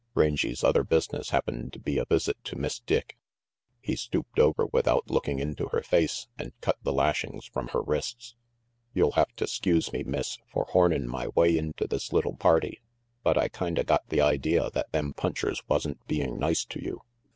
Rangy's other business happened to be a visit to Miss Dick. He stooped over without looking into her face, and cut the lashings from her wrists. "You'll have to 'skuse me, Miss, for hornin' my way into this little party, but I kinda got the idea that them punchers wasn't being nice to you.